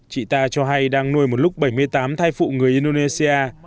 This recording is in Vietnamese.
chị ta cho hay đang nuôi một lúc bảy mươi tám thai phụ người indonesia